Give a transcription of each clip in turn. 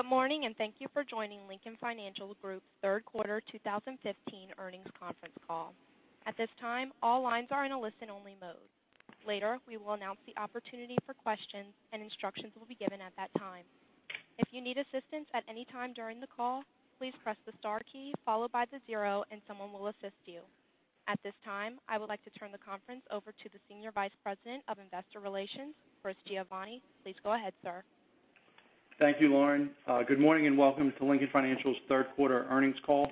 Good morning, thank you for joining Lincoln Financial Group's third quarter 2015 earnings conference call. At this time, all lines are in a listen-only mode. Later, we will announce the opportunity for questions, and instructions will be given at that time. If you need assistance at any time during the call, please press the star key followed by the zero, and someone will assist you. At this time, I would like to turn the conference over to the Senior Vice President of Investor Relations, Chris Giovanni. Please go ahead, sir. Thank you, Lauren. Good morning, welcome to Lincoln Financial's third quarter earnings call.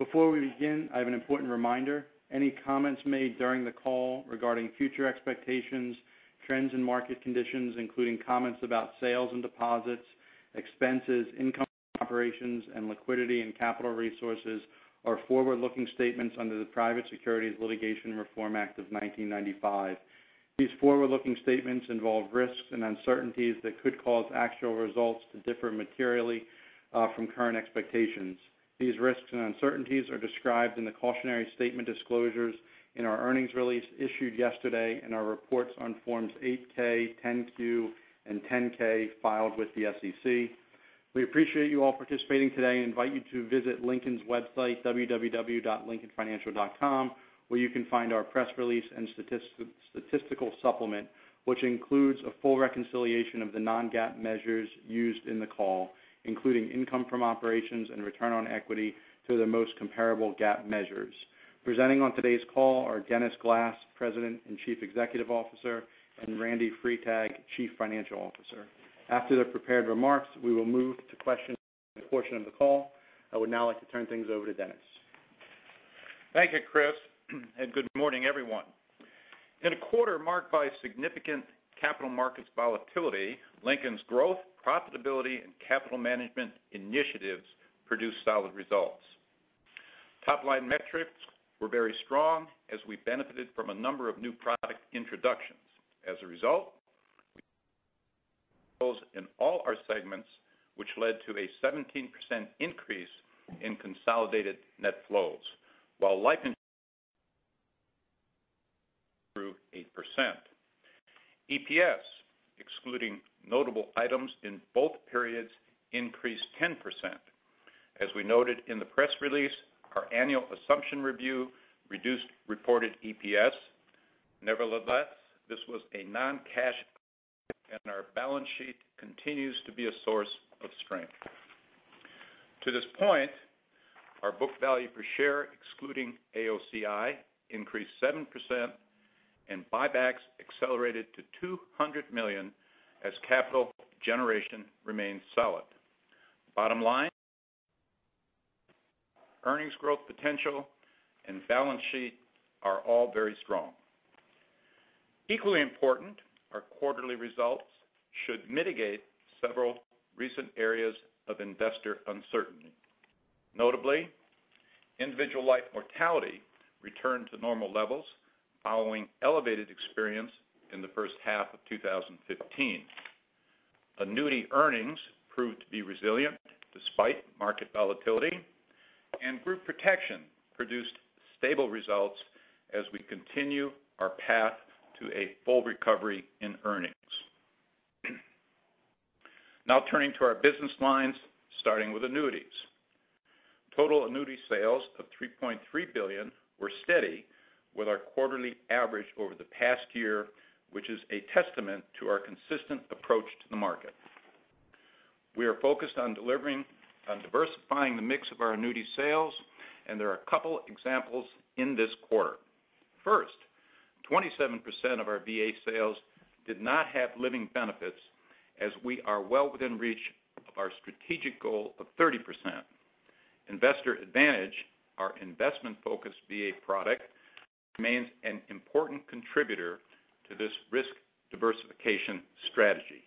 Before we begin, I have an important reminder. Any comments made during the call regarding future expectations, trends and market conditions, including comments about sales and deposits, expenses, income operations, and liquidity and capital resources, are forward-looking statements under the Private Securities Litigation Reform Act of 1995. These forward-looking statements involve risks and uncertainties that could cause actual results to differ materially from current expectations. These risks and uncertainties are described in the cautionary statement disclosures in our earnings release issued yesterday and our reports on Forms 8-K, 10-Q, and 10-K filed with the SEC. We appreciate you all participating today, invite you to visit Lincoln's website, www.lincolnfinancial.com, where you can find our press release and statistical supplement, which includes a full reconciliation of the non-GAAP measures used in the call, including income from operations and return on equity to the most comparable GAAP measures. Presenting on today's call are Dennis Glass, President and Chief Executive Officer, and Randy Freitag, Chief Financial Officer. After their prepared remarks, we will move to question the portion of the call. I would now like to turn things over to Dennis. Thank you, Chris. Good morning, everyone. In a quarter marked by significant capital markets volatility, Lincoln's growth, profitability, and capital management initiatives produced solid results. Top-line metrics were very strong as we benefited from a number of new product introductions. As a result, we saw those in all our segments, which led to a 17% increase in consolidated net flows, while life improved 8%. EPS, excluding notable items in both periods, increased 10%. As we noted in the press release, our annual assumption review reduced reported EPS. Nevertheless, this was a non-cash, and our balance sheet continues to be a source of strength. To this point, our book value per share, excluding AOCI, increased 7%, and buybacks accelerated to $200 million as capital generation remained solid. Bottom line, earnings growth potential and balance sheet are all very strong. Equally important, our quarterly results should mitigate several recent areas of investor uncertainty. Notably, individual life mortality returned to normal levels following elevated experience in the first half of 2015. Annuity earnings proved to be resilient despite market volatility, group protection produced stable results as we continue our path to a full recovery in earnings. Turning to our business lines, starting with annuities. Total annuity sales of $3.3 billion were steady with our quarterly average over the past year, which is a testament to our consistent approach to the market. We are focused on delivering on diversifying the mix of our annuity sales, and there are a couple examples in this quarter. First, 27% of our VA sales did not have living benefits as we are well within reach of our strategic goal of 30%. Investor Advantage, our investment-focused VA product, remains an important contributor to this risk diversification strategy.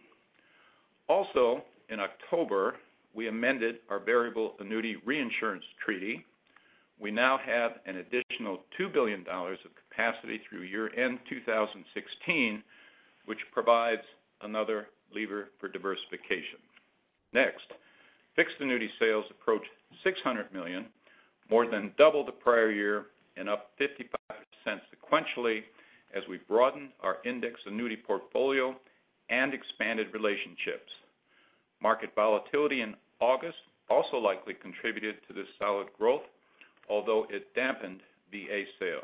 In October, we amended our variable annuity reinsurance treaty. We now have an additional $2 billion of capacity through year-end 2016, which provides another lever for diversification. Fixed annuity sales approached $600 million, more than double the prior year and up 55% sequentially as we broadened our index annuity portfolio and expanded relationships. Market volatility in August also likely contributed to this solid growth, although it dampened VA sales.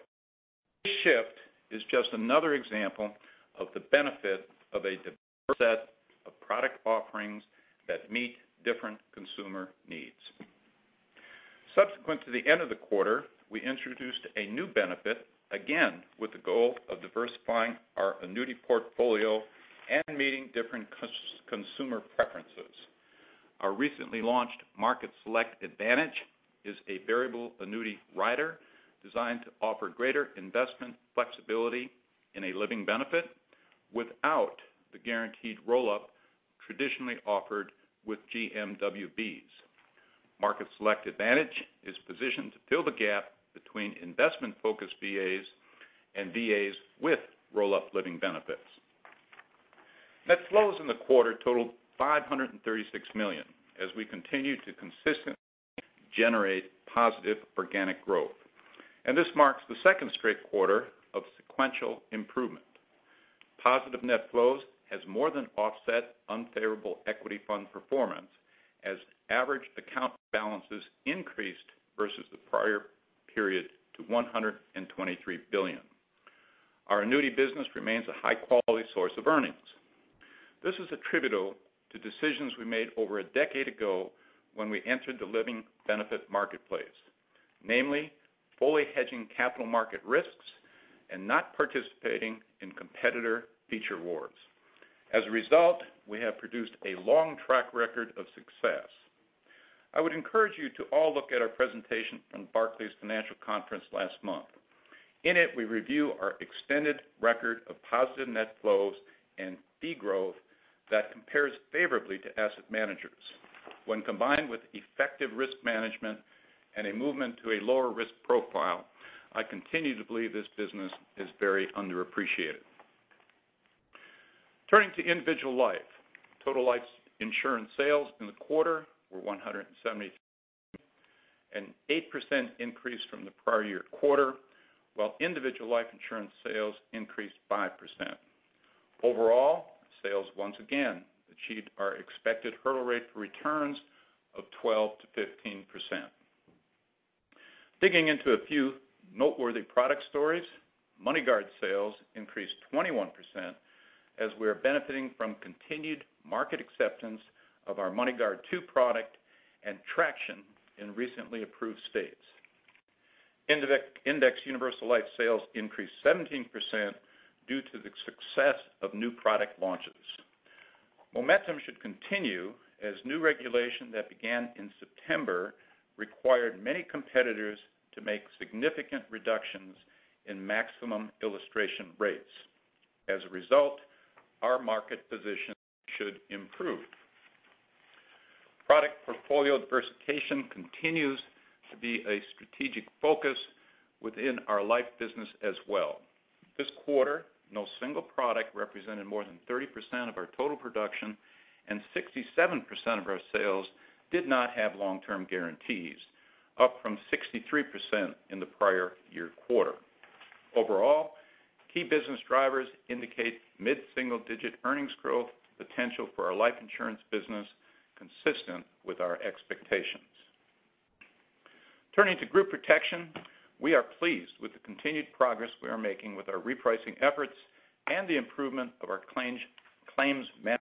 This shift is just another example of the benefit of a diverse set of product offerings that meet different consumer needs. Subsequent to the end of the quarter, we introduced a new benefit, again, with the goal of diversifying our annuity portfolio and meeting different consumer preferences. Our recently launched Market Select Advantage is a variable annuity rider designed to offer greater investment flexibility in a living benefit without the guaranteed roll-up traditionally offered with GMWBs. Market Select Advantage is positioned to fill the gap between investment-focused VAs and VAs with roll-up living benefits. Net flows in the quarter totaled $536 million as we continue to consistently generate positive organic growth. This marks the second straight quarter of sequential improvement. Positive net flows has more than offset unfavorable equity fund performance as average account balances increased versus the prior period to $123 billion. Our annuity business remains a high-quality source of earnings. This is attributable to decisions we made over a decade ago when we entered the living benefit marketplace, namely fully hedging capital market risks and not participating in competitor feature wars. As a result, we have produced a long track record of success. I would encourage you to all look at our presentation from Barclays Financial Conference last month. In it, we review our extended record of positive net flows and fee growth that compares favorably to asset managers. When combined with effective risk management and a movement to a lower risk profile, I continue to believe this business is very underappreciated. Turning to individual life, total life insurance sales in the quarter were $173, an 8% increase from the prior year quarter, while individual life insurance sales increased 5%. Overall, sales once again achieved our expected hurdle rate for returns of 12%-15%. Digging into a few noteworthy product stories, MoneyGuard sales increased 21% as we are benefiting from continued market acceptance of our MoneyGuard 2 product and traction in recently approved states. Indexed universal life sales increased 17% due to the success of new product launches. Momentum should continue as new regulation that began in September required many competitors to make significant reductions in maximum illustration rates. Our market position should improve. Product portfolio diversification continues to be a strategic focus within our life business as well. This quarter, no single product represented more than 30% of our total production, and 67% of our sales did not have long-term guarantees, up from 63% in the prior year quarter. Overall, key business drivers indicate mid-single-digit earnings growth potential for our life insurance business, consistent with our expectations. Turning to group protection, we are pleased with the continued progress we are making with our repricing efforts and the improvement of our claims management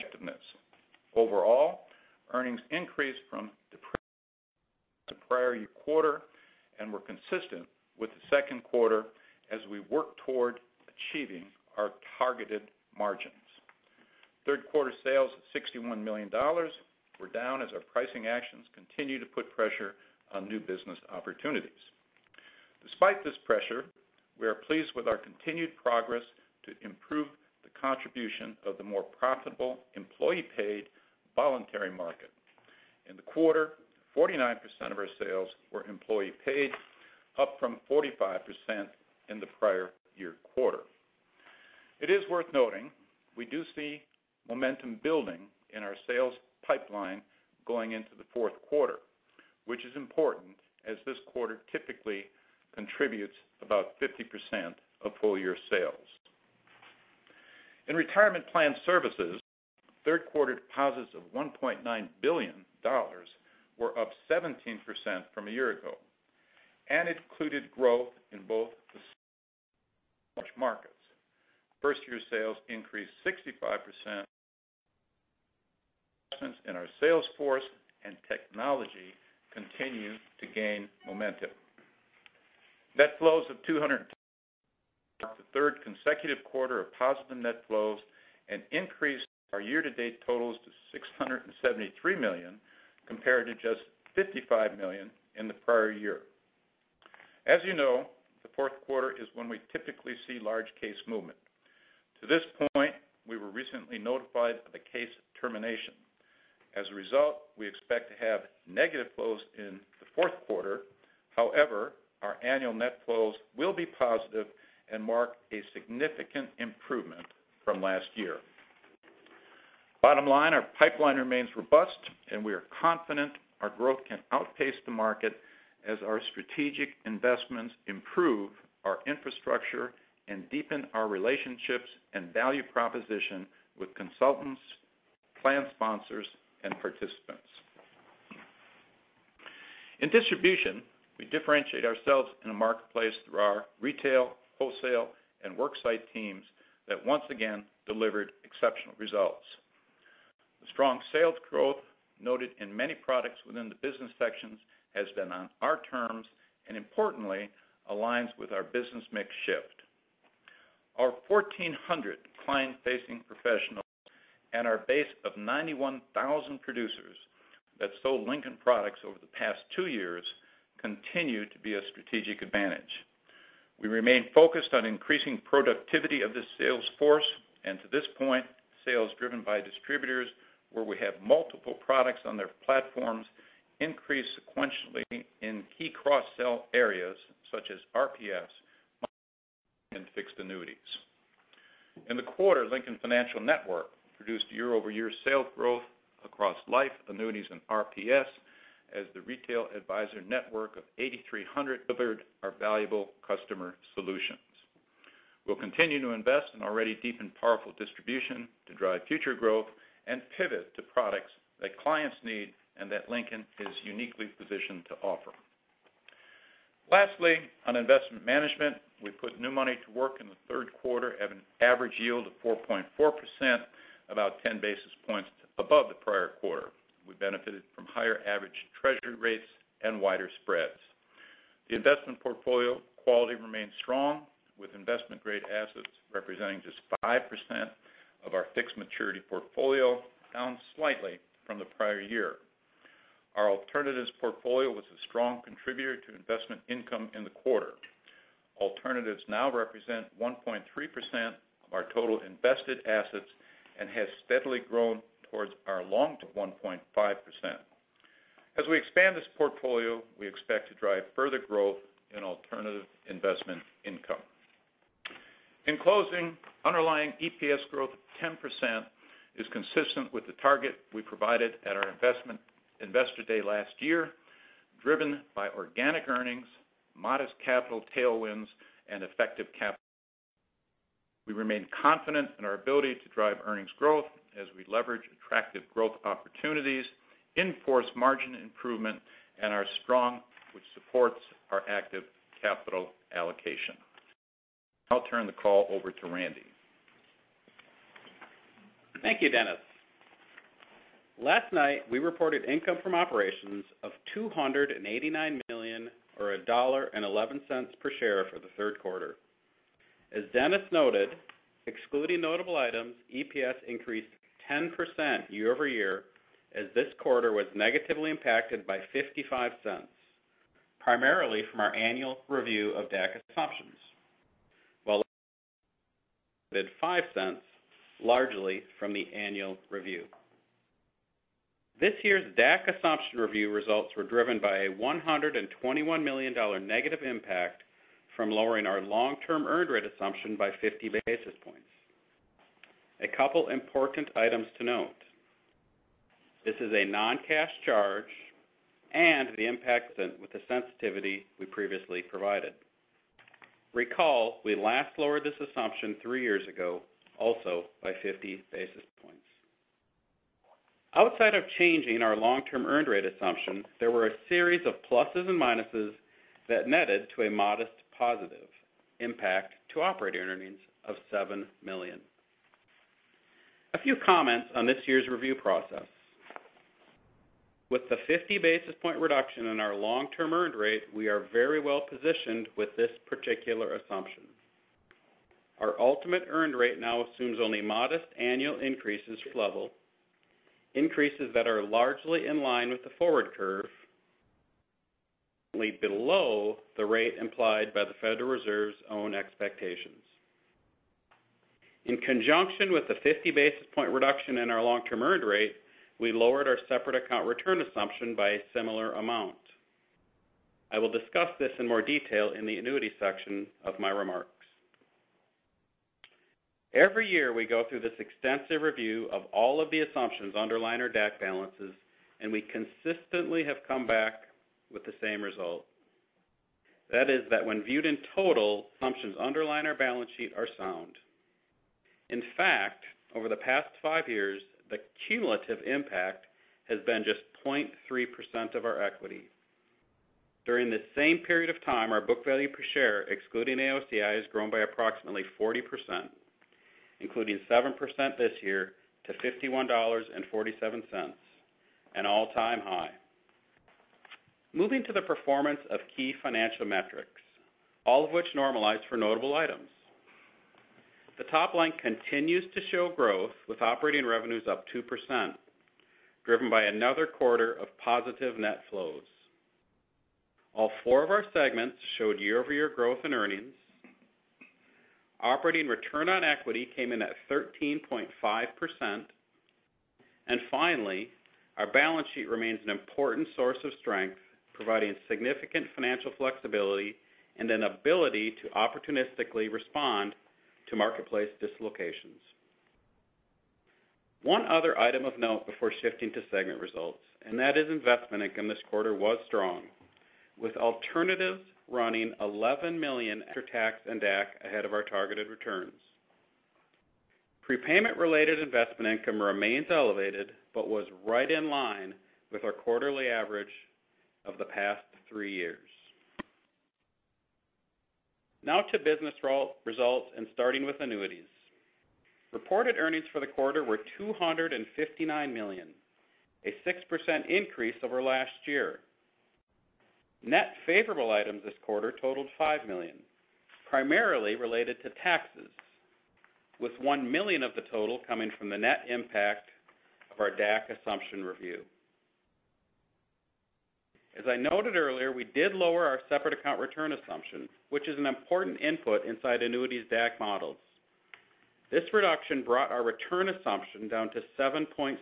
effectiveness. Overall, earnings increased from the prior year quarter and were consistent with the second quarter as we work toward achieving our targeted margins. Third quarter sales of $61 million were down as our pricing actions continue to put pressure on new business opportunities. Despite this pressure, we are pleased with our continued progress to improve the contribution of the more profitable employee-paid voluntary market. In the quarter, 49% of our sales were employee-paid, up from 45% in the prior year quarter. It is worth noting we do see momentum building in our sales pipeline going into the fourth quarter, which is important as this quarter typically contributes about 50% of full-year sales. In Retirement Plan Services, third quarter deposits of $1.9 billion were up 17% from a year ago and included growth in both the small and large markets. First-year sales increased 65% as investments in our sales force and technology continue to gain momentum. Net flows of $213 million marked the third consecutive quarter of positive net flows and increased our year-to-date totals to $673 million, compared to just $55 million in the prior year. As you know, the fourth quarter is when we typically see large case movement. To this point, we were recently notified of a case termination. We expect to have negative flows in the fourth quarter. However, our annual net flows will be positive and mark a significant improvement from last year. Bottom line, our pipeline remains robust, and we are confident our growth can outpace the market as our strategic investments improve our infrastructure and deepen our relationships and value proposition with consultants, plan sponsors, and participants. In distribution, we differentiate ourselves in a marketplace through our retail, wholesale, and worksite teams that once again delivered exceptional results. The strong sales growth noted in many products within the business sections has been on our terms and importantly aligns with our business mix shift. Our 1,400 client-facing professionals and our base of 91,000 producers that sold Lincoln products over the past two years continue to be a strategic advantage. We remain focused on increasing productivity of the sales force, and to this point, sales driven by distributors where we have multiple products on their platforms increased sequentially in key cross-sell areas such as RPS, money market, and fixed annuities. In the quarter, Lincoln Financial Network produced year-over-year sales growth across life, annuities, and RPS as the retail advisor network of 8,300 delivered our valuable customer solutions. We'll continue to invest in already deep and powerful distribution to drive future growth and pivot to products that clients need and that Lincoln is uniquely positioned to offer. Lastly, on investment management, we put new money to work in the third quarter at an average yield of 4.4%, about 10 basis points above the prior quarter. We benefited from higher average treasury rates and wider spreads. The investment portfolio quality remains strong, with investment-grade assets representing just 5% of our fixed maturity portfolio, down slightly from the prior year. Our alternatives portfolio was a strong contributor to investment income in the quarter. Alternatives now represent 1.3% of our total invested assets and has steadily grown towards our long-term target of 1.5%. As we expand this portfolio, we expect to drive further growth in alternative investment income. In closing, underlying EPS growth of 10% is consistent with the target we provided at our Investor Day last year, driven by organic earnings, modest capital tailwinds, and effective capital allocation. We remain confident in our ability to drive earnings growth as we leverage attractive growth opportunities, enforce margin improvement and are strong, which supports our active capital allocation. I'll turn the call over to Randy. Thank you, Dennis. Last night, we reported income from operations of $289 million or $1.11 per share for the third quarter. As Dennis noted, excluding notable items, EPS increased 10% year-over-year as this quarter was negatively impacted by $0.55, primarily from our annual review of DAC assumptions. While $0.05 largely from the annual review. This year's DAC assumption review results were driven by a $121 million negative impact from lowering our long-term earned rate assumption by 50 basis points. A couple important items to note. This is a non-cash charge and the impact is within the sensitivity we previously provided. Recall, we last lowered this assumption three years ago, also by 50 basis points. Outside of changing our long-term earned rate assumption, there were a series of pluses and minuses that netted to a modest positive impact to operating earnings of $7 million. A few comments on this year's review process. With the 50 basis point reduction in our long-term earned rate, we are very well positioned with this particular assumption. Our ultimate earned rate now assumes only modest annual increases that are largely in line with the forward curve, only below the rate implied by the Federal Reserve's own expectations. In conjunction with the 50 basis point reduction in our long-term earned rate, we lowered our separate account return assumption by a similar amount. I will discuss this in more detail in the annuity section of my remarks. Every year we go through this extensive review of all of the assumptions underlying our DAC balances. We consistently have come back with the same result. That is that when viewed in total, assumptions underlying our balance sheet are sound. In fact, over the past five years, the cumulative impact has been just 0.3% of our equity. During the same period of time, our book value per share, excluding AOCI, has grown by approximately 40%, including 7% this year to $51.47, an all-time high. Moving to the performance of key financial metrics, all of which normalize for notable items. The top line continues to show growth with operating revenues up 2%, driven by another quarter of positive net flows. All four of our segments showed year-over-year growth in earnings. Operating ROE came in at 13.5%. Finally, our balance sheet remains an important source of strength, providing significant financial flexibility and an ability to opportunistically respond to marketplace dislocations. One other item of note before shifting to segment results, investment income this quarter was strong, with alternatives running $11 million after tax and DAC ahead of our targeted returns. Prepayment-related investment income remains elevated but was right in line with our quarterly average of the past three years. Now to business results and starting with annuities. Reported earnings for the quarter were $259 million, a 6% increase over last year. Net favorable items this quarter totaled $5 million, primarily related to taxes, with $1 million of the total coming from the net impact of our DAC assumption review. As I noted earlier, we did lower our separate account return assumption, which is an important input inside annuities DAC models. This reduction brought our return assumption down to 7.6%,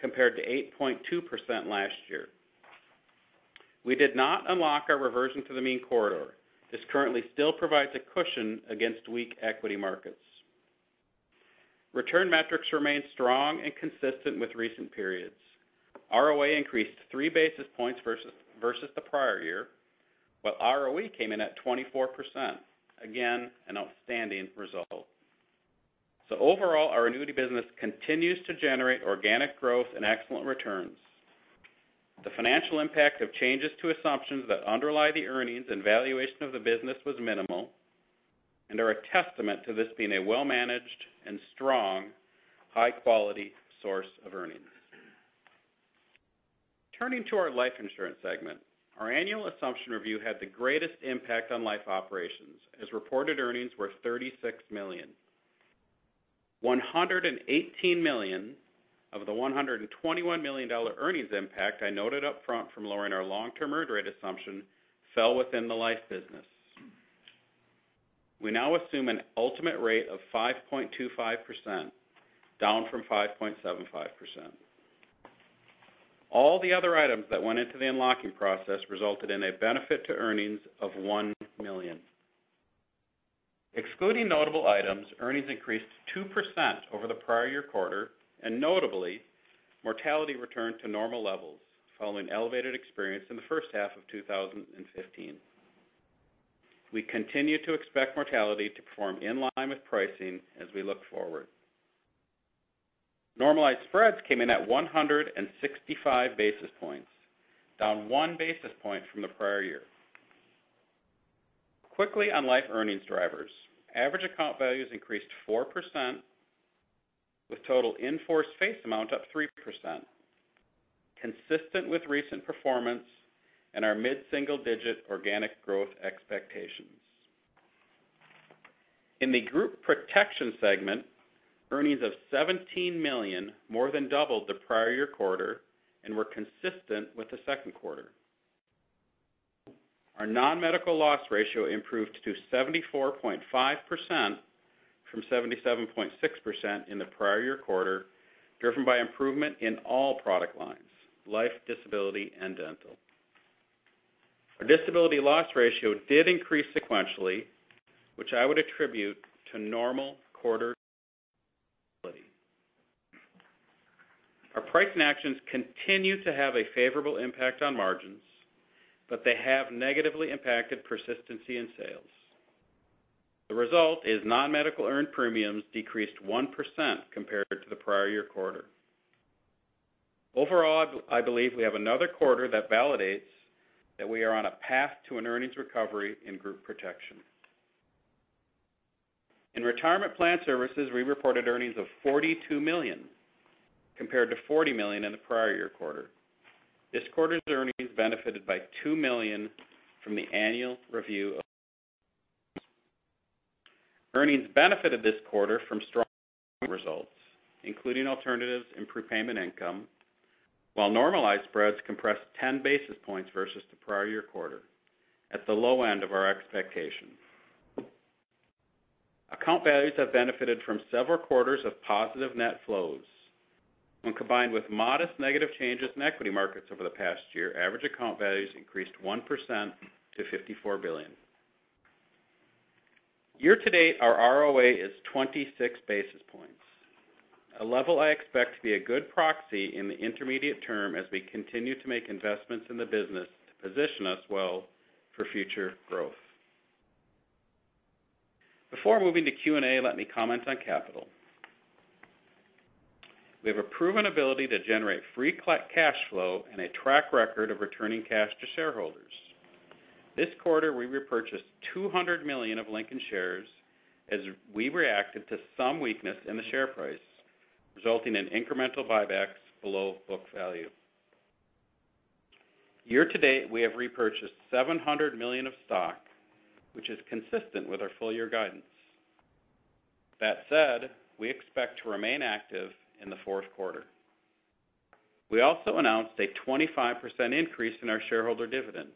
compared to 8.2% last year. We did not unlock our reversion to the mean corridor. This currently still provides a cushion against weak equity markets. Return metrics remain strong and consistent with recent periods. ROA increased three basis points versus the prior year, while ROE came in at 24%, again, an outstanding result. Overall, our annuity business continues to generate organic growth and excellent returns. The financial impact of changes to assumptions that underlie the earnings and valuation of the business was minimal and are a testament to this being a well-managed and strong high-quality source of earnings. Turning to our life insurance segment, our annual assumption review had the greatest impact on life operations, as reported earnings were $36 million. $118 million of the $121 million earnings impact I noted upfront from lowering our long-term mortality rate assumption fell within the life business. We now assume an ultimate rate of 5.25%, down from 5.75%. All the other items that went into the unlocking process resulted in a benefit to earnings of $1 million. Excluding notable items, earnings increased 2% over the prior year quarter. Mortality returned to normal levels following elevated experience in the first half of 2015. We continue to expect mortality to perform in line with pricing as we look forward. Normalized spreads came in at 165 basis points, down one basis point from the prior year. Quickly on life earnings drivers, average account values increased 4%, with total in-force face amount up 3%, consistent with recent performance and our mid-single-digit organic growth expectations. In the Group Protection segment, earnings of $17 million more than doubled the prior year quarter and were consistent with the second quarter. Our non-medical loss ratio improved to 74.5% from 77.6% in the prior year quarter, driven by improvement in all product lines, life, disability, and dental. Our disability loss ratio did increase sequentially, which I would attribute to normal quarter stability. Our pricing actions continue to have a favorable impact on margins, but they have negatively impacted persistency in sales. The result is non-medical earned premiums decreased 1% compared to the prior year quarter. Overall, I believe we have another quarter that validates that we are on a path to an earnings recovery in Group Protection. In Retirement Plan Services, we reported earnings of $42 million compared to $40 million in the prior year quarter. Earnings benefited this quarter from strong results, including alternatives and prepayment income, while normalized spreads compressed 10 basis points versus the prior year quarter at the low end of our expectation. Account values have benefited from several quarters of positive net flows. When combined with modest negative changes in equity markets over the past year, average account values increased 1% to $54 billion. Year to date, our ROA is 26 basis points, a level I expect to be a good proxy in the intermediate term as we continue to make investments in the business to position us well for future growth. Before moving to Q&A, let me comment on capital. We have a proven ability to generate free cash flow and a track record of returning cash to shareholders. This quarter, we repurchased $200 million of Lincoln shares as we reacted to some weakness in the share price, resulting in incremental buybacks below book value. Year to date, we have repurchased $700 million of stock, which is consistent with our full-year guidance. That said, we expect to remain active in the fourth quarter. We also announced a 25% increase in our shareholder dividend.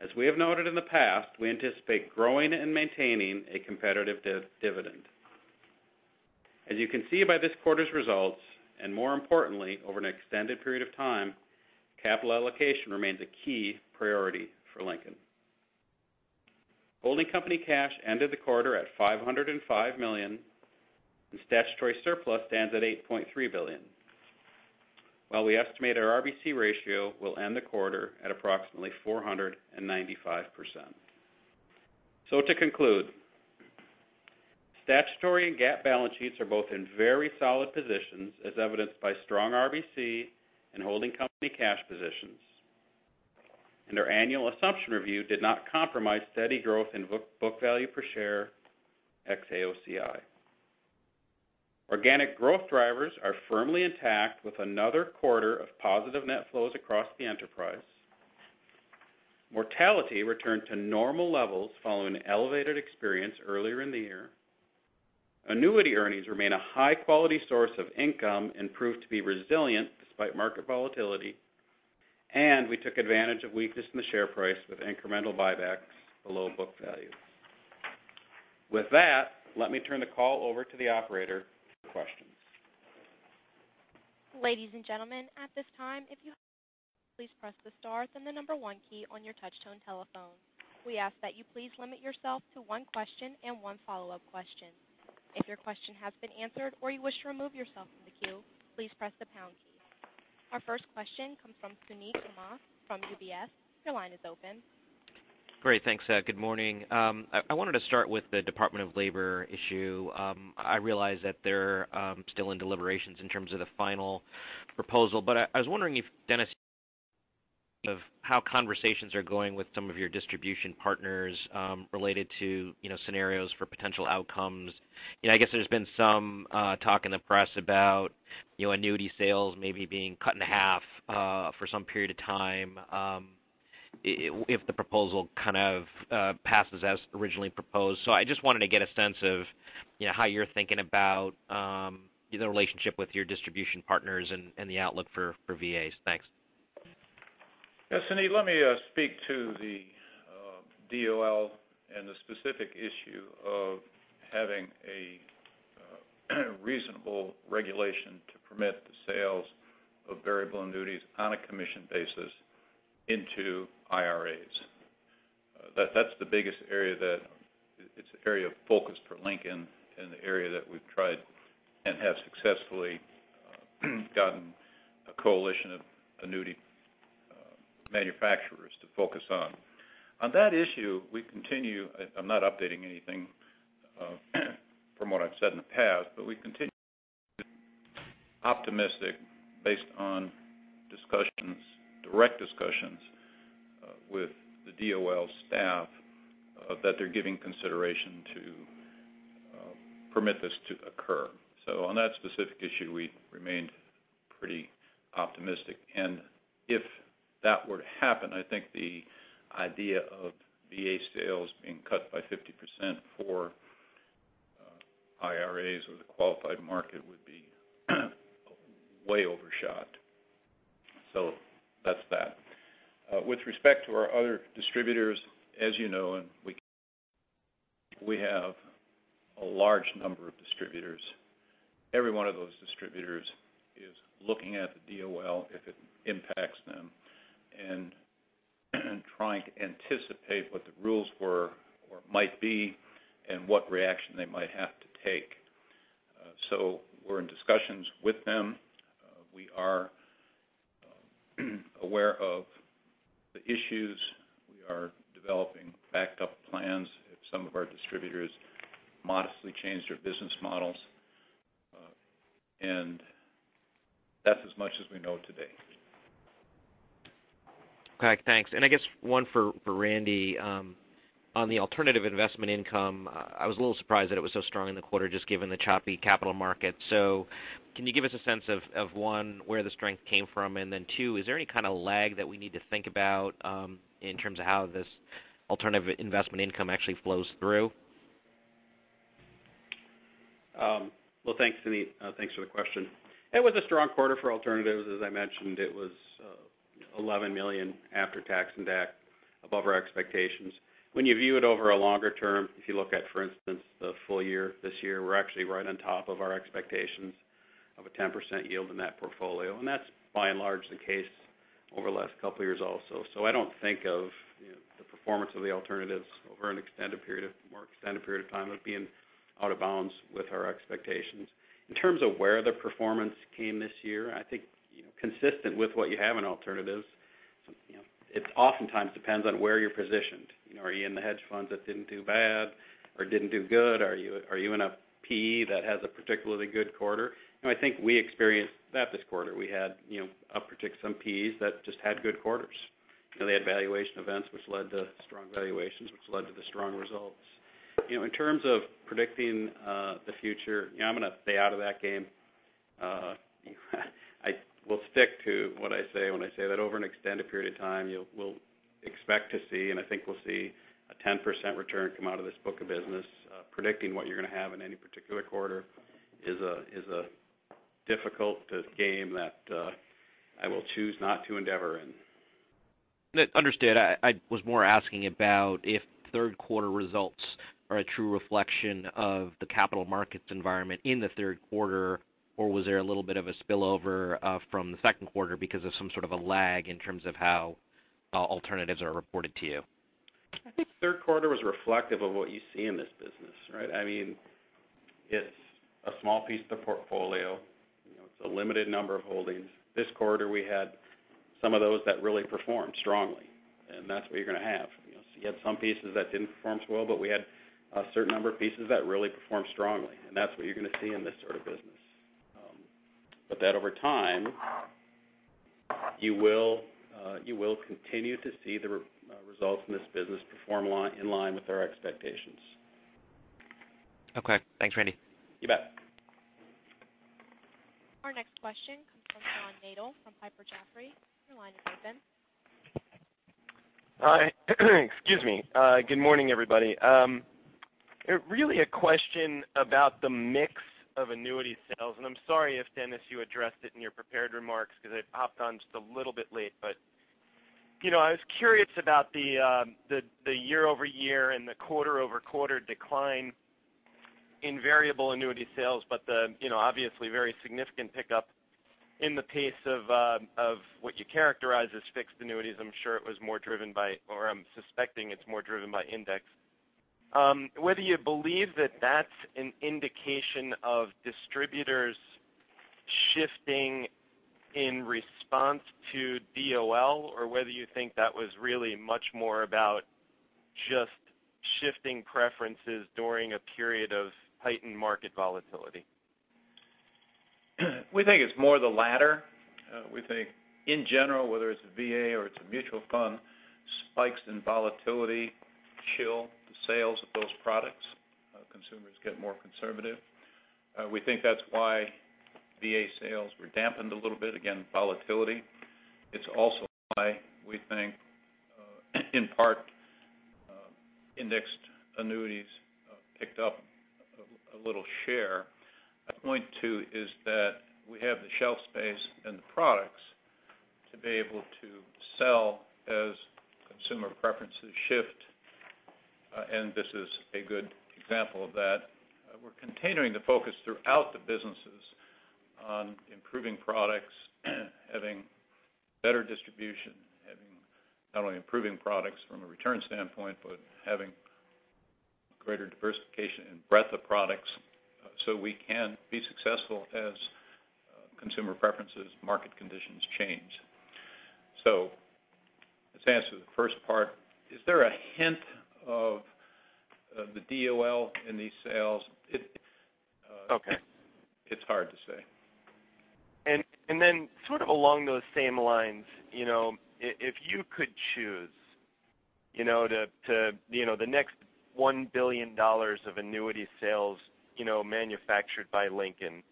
As we have noted in the past, we anticipate growing and maintaining a competitive dividend. As you can see by this quarter's results, and more importantly, over an extended period of time, capital allocation remains a key priority for Lincoln. Holding company cash ended the quarter at $505 million, and statutory surplus stands at $8.3 billion, while we estimate our RBC ratio will end the quarter at approximately 495%. To conclude, statutory and GAAP balance sheets are both in very solid positions, as evidenced by strong RBC and holding company cash positions. Our annual assumption review did not compromise steady growth in book value per share ex-AOCI. Organic growth drivers are firmly intact with another quarter of positive net flows across the enterprise. Mortality returned to normal levels following an elevated experience earlier in the year. Annuity earnings remain a high-quality source of income and prove to be resilient despite market volatility. We took advantage of weakness in the share price with incremental buybacks below book value. With that, let me turn the call over to the operator to take questions. Ladies and gentlemen, at this time, if you have a question, please press the star then the number one key on your touchtone telephone. We ask that you please limit yourself to one question and one follow-up question. If your question has been answered or you wish to remove yourself from the queue, please press the pound key. Our first question comes from Suneet Kamath from UBS. Your line is open. Great. Thanks. Good morning. I wanted to start with the Department of Labor issue. I realize that they're still in deliberations in terms of the final proposal, but I was wondering if, Dennis, of how conversations are going with some of your distribution partners related to scenarios for potential outcomes. I guess there's been some talk in the press about annuity sales maybe being cut in half for some period of time if the proposal passes as originally proposed. I just wanted to get a sense of how you're thinking about the relationship with your distribution partners and the outlook for VAs. Thanks. Yes, Suneet, let me speak to the DOL and the specific issue of having a reasonable regulation to permit the sales of variable annuities on a commission basis into IRAs. That's the biggest area that it's an area of focus for Lincoln and the area that we've tried and have successfully gotten a coalition of annuity manufacturers to focus on. On that issue, we continue, I'm not updating anything from what I've said in the past, we continue optimistic based on direct discussions with the DOL staff that they're giving consideration to permit this to occur. On that specific issue, we remained pretty optimistic. If that were to happen, I think the idea of VA sales trying to anticipate what the rules were or might be and what reaction they might have to take. We're in discussions with them. We are aware of the issues. We are developing backup plans if some of our distributors modestly change their business models. That's as much as we know today. Okay, thanks. I guess 1 for Randy on the alternative investment income. I was a little surprised that it was so strong in the quarter, just given the choppy capital market. Can you give us a sense of, 1, where the strength came from? 2, is there any kind of lag that we need to think about in terms of how this alternative investment income actually flows through? Well, thanks, Suneet. Thanks for the question. It was a strong quarter for alternatives. As I mentioned, it was $11 million after tax and DAC above our expectations. When you view it over a longer term, if you look at, for instance, the full year this year, we're actually right on top of our expectations of a 10% yield in that portfolio. That's by and large the case over the last couple of years also. I don't think of the performance of the alternatives over a more extended period of time as being out of bounds with our expectations. In terms of where the performance came this year, I think consistent with what you have in alternatives, it oftentimes depends on where you're positioned. Are you in the hedge funds that didn't do bad or didn't do good? Are you in a PE that has a particularly good quarter? I think we experienced that this quarter. We had some PEs that just had good quarters, and they had valuation events which led to strong valuations, which led to the strong results. In terms of predicting the future, I'm going to stay out of that game. I will stick to what I say when I say that over an extended period of time, we'll expect to see, and I think we'll see a 10% return come out of this book of business. Predicting what you're going to have in any particular quarter is a difficult game that I will choose not to endeavor in. Understood. I was more asking about if third quarter results are a true reflection of the capital markets environment in the third quarter, or was there a little bit of a spillover from the second quarter because of some sort of a lag in terms of how alternatives are reported to you? I think third quarter was reflective of what you see in this business, right? It's a small piece of the portfolio. It's a limited number of holdings. This quarter, we had some of those that really performed strongly, and that's what you're going to have. You had some pieces that didn't perform so well, but we had a certain number of pieces that really performed strongly, and that's what you're going to see in this sort of business. That over time, you will continue to see the results in this business perform in line with our expectations. Okay. Thanks, Randy. You bet. Our next question comes from John Nadel from Piper Jaffray. Your line is open. Hi. Excuse me. Good morning, everybody. Really a question about the mix of annuity sales. I'm sorry if, Dennis, you addressed it in your prepared remarks because I hopped on just a little bit late, but I was curious about the year-over-year and the quarter-over-quarter decline in variable annuity sales, but the obviously very significant pickup in the pace of what you characterize as fixed annuities. I'm suspecting it's more driven by index. Whether you believe that that's an indication of distributors shifting in response to DOL or whether you think that was really much more about just shifting preferences during a period of heightened market volatility. We think it's more the latter. We think in general, whether it's a VA or it's a mutual fund, spikes in volatility chill the sales of those products. Consumers get more conservative. We think that's why VA sales were dampened a little bit. Again, volatility. It's also why we think, in part, indexed annuities picked up a little share. A point too is that we have the shelf space and the products to be able to sell as consumer preferences shift, and this is a good example of that. We're continuing to focus throughout the businesses on improving products, having better distribution, having not only improving products from a return standpoint, but having greater diversification and breadth of products so we can be successful as consumer preferences, market conditions change. Let's answer the first part. Is there a hint of the DOL in these sales? Okay. It's hard to say. Sort of along those same lines, if you could choose the next $1 billion of annuity sales manufactured by Lincoln,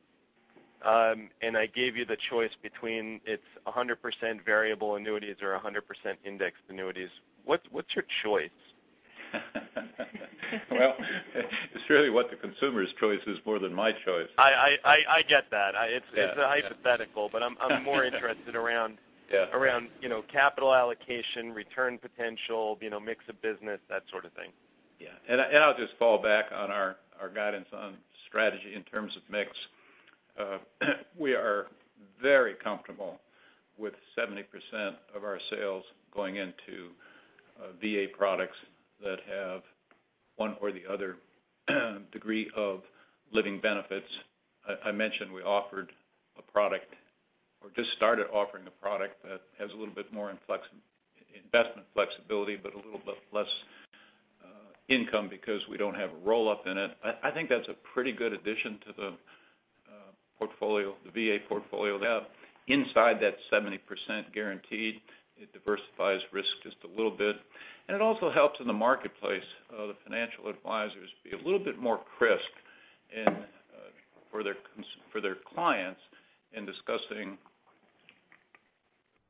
and I gave you the choice between it's 100% variable annuities or 100% indexed annuities, what's your choice? Well, it's really what the consumer's choice is more than my choice. I get that. It's a hypothetical, I'm more interested around capital allocation, return potential, mix of business, that sort of thing. Yeah. I'll just fall back on our guidance on strategy in terms of mix. We are very comfortable with 70% of our sales going into VA products that have one or the other degree of living benefits. I mentioned we just started offering a product that has a little bit more investment flexibility, but a little bit less income because we don't have a roll-up in it. I think that's a pretty good addition to the VA portfolio. Inside that 70% guarantee, it diversifies risk just a little bit. It also helps in the marketplace of the financial advisors be a little bit more crisp for their clients in discussing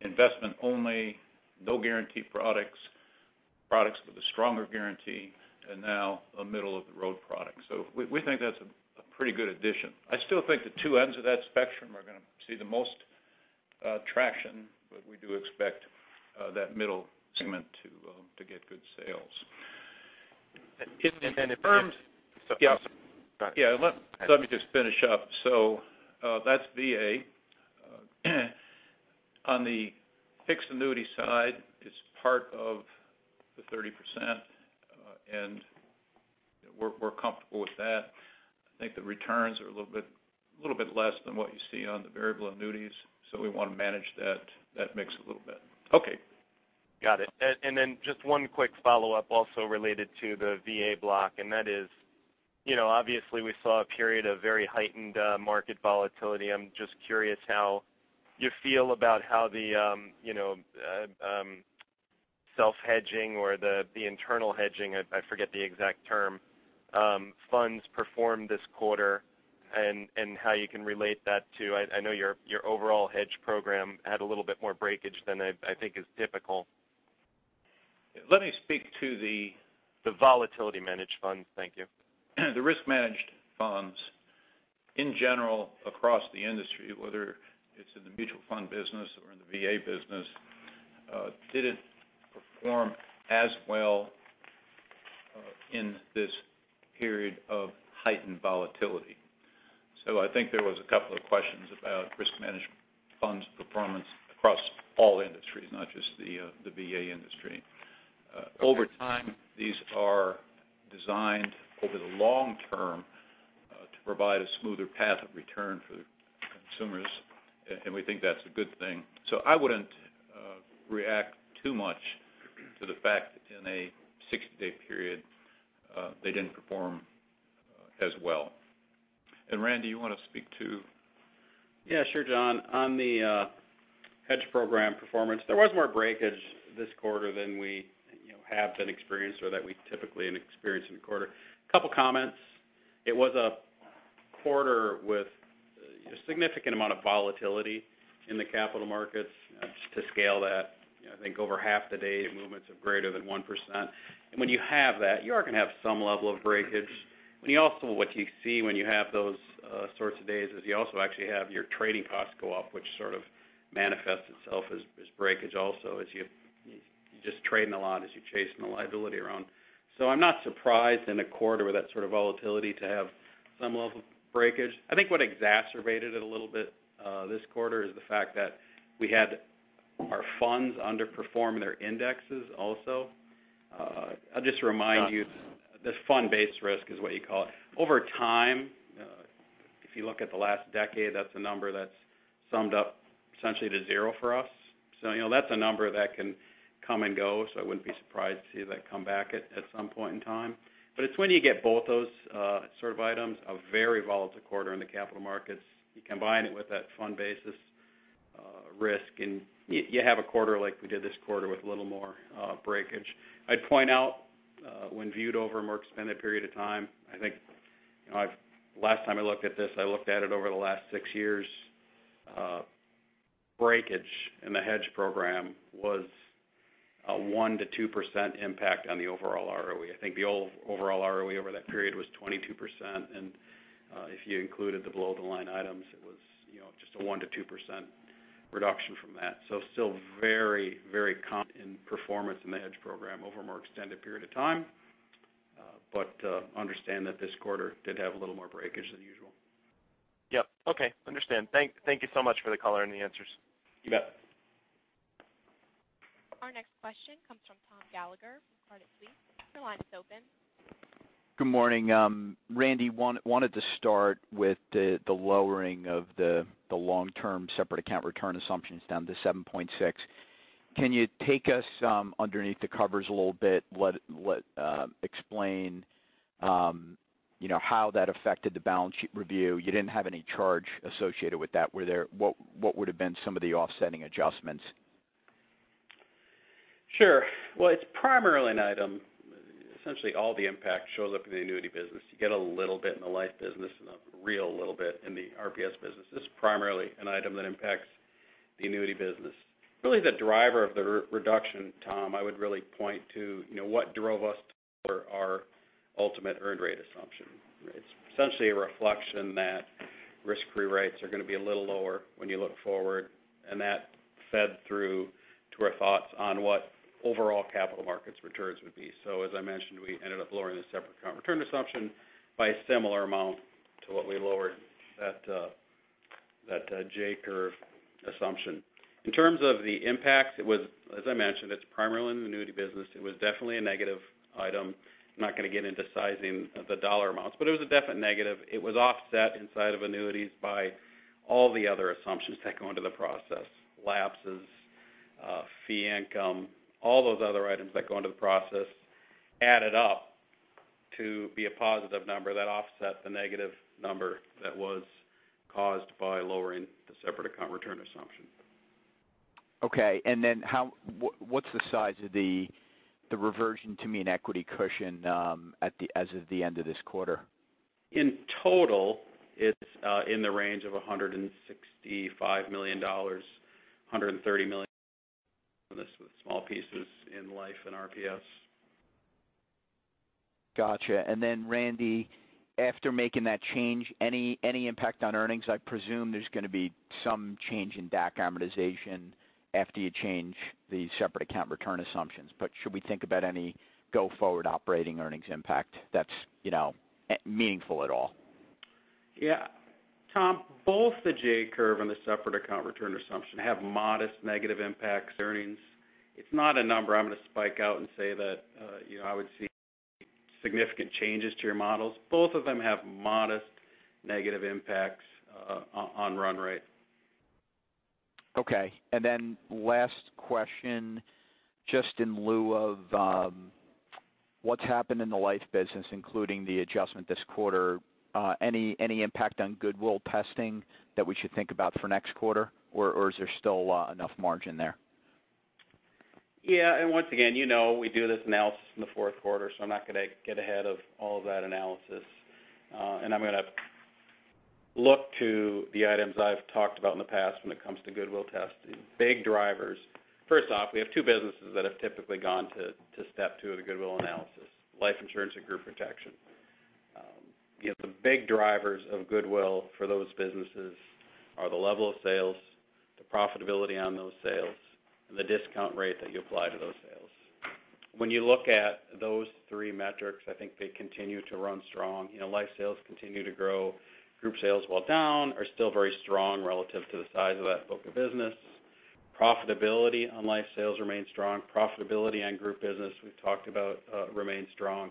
investment only, no guarantee products with a stronger guarantee, and now a middle-of-the-road product. We think that's a pretty good addition. I still think the two ends of that spectrum are going to see the most traction, we do expect that middle segment to get good sales. if firms- Yeah. Let me just finish up. That's VA. On the fixed annuity side, it's part of the 30%, and we're comfortable with that. I think the returns are a little bit less than what you see on the variable annuities, so we want to manage that mix a little bit. Okay. Got it. Then just one quick follow-up also related to the VA block, and that is obviously we saw a period of very heightened market volatility. I'm just curious how you feel about how the self-hedging or the internal hedging, I forget the exact term, funds performed this quarter and how you can relate that to-- I know your overall hedge program had a little bit more breakage than I think is typical. Let me speak to the- The volatility managed funds. Thank you. The risk managed funds in general across the industry, whether it's in the mutual fund business or in the VA business, didn't perform as well in this period of heightened volatility. I think there was a couple of questions about risk managed funds performance across all industries, not just the VA industry. Over time, these are designed over the long term to provide a smoother path of return for the consumers, and we think that's a good thing. I wouldn't react too much to the fact that in a 60-day period, they didn't perform as well. Randy, you want to speak too? Yeah, sure, John. On the hedge program performance, there was more breakage this quarter than we have been experienced or that we typically experience in a quarter. Couple of comments. It was a quarter with a significant amount of volatility in the capital markets. Just to scale that, I think over half the day, the movements are greater than 1%. When you have that, you are going to have some level of breakage. What you see when you have those sorts of days is you also actually have your trading costs go up, which sort of manifests itself as breakage also as you're just trading a lot as you're chasing the liability around. I'm not surprised in a quarter with that sort of volatility to have some level of breakage. I think what exacerbated it a little bit this quarter is the fact that we had our funds underperform their indexes also. I'll just remind you, the fund-based risk is what you call it. Over time, if you look at the last decade, that's a number that's summed up essentially to zero for us. That's a number that can come and go, so I wouldn't be surprised to see that come back at some point in time. It's when you get both those sort of items, a very volatile quarter in the capital markets, you combine it with that fund basis risk, and you have a quarter like we did this quarter with a little more breakage. I'd point out when viewed over a more extended period of time, I think last time I looked at this, I looked at it over the last six years. Breakage in the hedge program was a 1%-2% impact on the overall ROE. I think the overall ROE over that period was 22%, and if you included the below-the-line items, it was just a 1%-2% reduction from that. Still very common in performance in the hedge program over a more extended period of time. Understand that this quarter did have a little more breakage than usual. Yep. Okay. Understand. Thank you so much for the color and the answers. You bet. Our next question comes from Thomas Gallagher from Credit Suisse. Your line is open. Good morning. Randy, wanted to start with the lowering of the long-term separate account return assumptions down to 7.6%. Can you take us underneath the covers a little bit? Explain how that affected the balance sheet review. You didn't have any charge associated with that. What would have been some of the offsetting adjustments? Sure. Well, it's primarily an item, essentially all the impact shows up in the annuity business. You get a little bit in the life business and a real little bit in the RPS business. This is primarily an item that impacts the annuity business. Really the driver of the reduction, Tom, I would really point to what drove us to our ultimate earned rate assumption. It's essentially a reflection that risk-free rates are going to be a little lower when you look forward, and that fed through to our thoughts on what overall capital markets returns would be. As I mentioned, we ended up lowering the separate account return assumption by a similar amount to what we lowered that J-curve assumption. In terms of the impact, as I mentioned, it's primarily in the annuity business. It was definitely a negative item. I'm not going to get into sizing the dollar amounts, it was a definite negative. It was offset inside of annuities by all the other assumptions that go into the process. Lapses, fee income, all those other items that go into the process added up to be a positive number that offset the negative number that was caused by lowering the separate account return assumption. Okay. What's the size of the reversion to mean equity cushion as of the end of this quarter? In total, it's in the range of $165 million, $130 million with small pieces in life and RPS. Got you. Randy, after making that change, any impact on earnings? I presume there's going to be some change in DAC amortization after you change the separate account return assumptions. Should we think about any go-forward operating earnings impact that's meaningful at all? Yeah. Tom, both the J-curve and the separate account return assumption have modest negative impacts earnings. It's not a number I'm going to spike out and say that I would see significant changes to your models. Both of them have modest negative impacts on run rate. Okay. Last question, just in lieu of what's happened in the life business, including the adjustment this quarter, any impact on goodwill testing that we should think about for next quarter? Is there still enough margin there? Once again we do this analysis in the fourth quarter. I'm not going to get ahead of all that analysis. I'm going to look to the items I've talked about in the past when it comes to goodwill testing. Big drivers. First off, we have two businesses that have typically gone to step 2 of the goodwill analysis, life insurance and group protection. The big drivers of goodwill for those businesses are the level of sales, the profitability on those sales, and the discount rate that you apply to those sales. When you look at those three metrics, I think they continue to run strong. Life sales continue to grow. Group sales, while down, are still very strong relative to the size of that book of business. Profitability on life sales remains strong. Profitability on group business, we've talked about remains strong.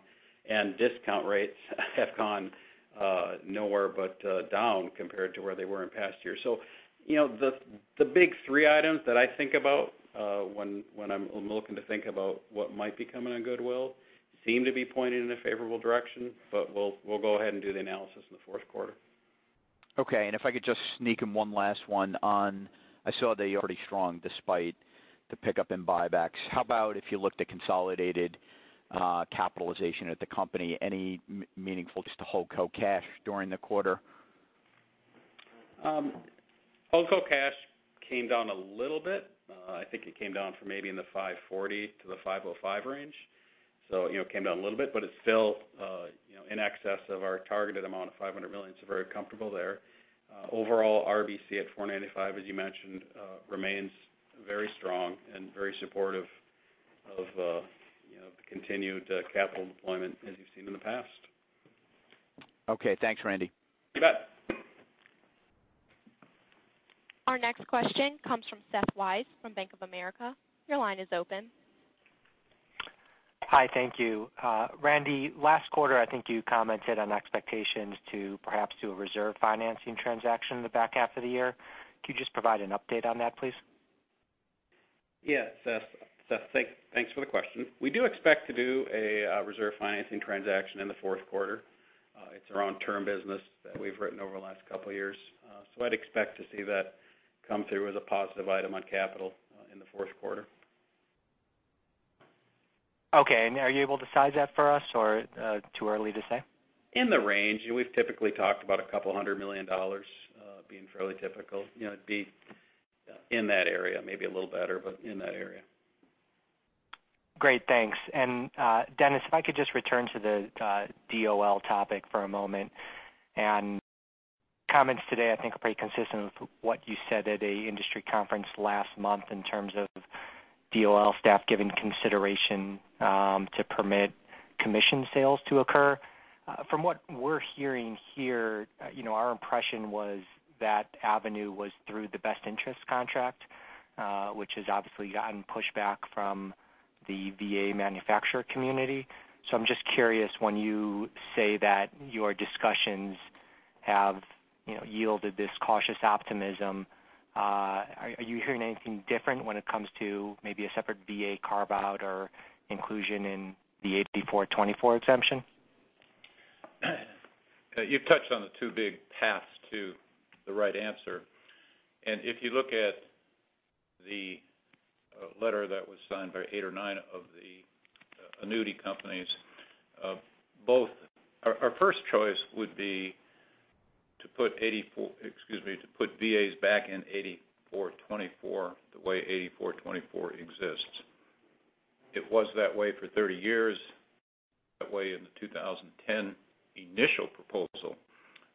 Discount rates have gone nowhere but down compared to where they were in past years. The big three items that I think about when I'm looking to think about what might be coming on goodwill seem to be pointing in a favorable direction, but we'll go ahead and do the analysis in the fourth quarter. Okay. If I could just sneak in one last one on, I saw the already strong despite the pickup in buybacks. How about if you looked at consolidated capitalization at the company? Any meaningful just to Holdco cash during the quarter? Holdco cash came down a little bit. I think it came down from maybe in the 540 to the 505 range. It came down a little bit, but it's still in excess of our targeted amount of $500 million. Very comfortable there. Overall, RBC at 495, as you mentioned, remains very strong and very supportive of the continued capital deployment as you've seen in the past. Okay. Thanks, Randy. You bet. Our next question comes from Seth Weiss from Bank of America. Your line is open. Hi. Thank you. Randy, last quarter, I think you commented on expectations to perhaps do a reserve financing transaction in the back half of the year. Could you just provide an update on that, please? Seth. Thanks for the question. We do expect to do a reserve financing transaction in the fourth quarter. It's around term business that we've written over the last couple of years. I'd expect to see that come through as a positive item on capital in the fourth quarter. Okay. Are you able to size that for us or too early to say? In the range. We've typically talked about $200 million being fairly typical. It'd be in that area, maybe a little better, but in that area. Great, thanks. Dennis, if I could just return to the DOL topic for a moment, and comments today, I think, are pretty consistent with what you said at an industry conference last month in terms of DOL staff giving consideration to permit commission sales to occur. From what we're hearing here, our impression was that avenue was through the Best Interest Contract, which has obviously gotten pushback from the VA manufacturer community. I'm just curious, when you say that your discussions have yielded this cautious optimism, are you hearing anything different when it comes to maybe a separate VA carve-out or inclusion in the 8424 exemption? You've touched on the two big paths to the right answer. If you look at the letter that was signed by eight or nine of the annuity companies, our first choice would be to put VAs back in 8424, the way 8424 exists. It was that way for 30 years, that way in the 2010 initial proposal,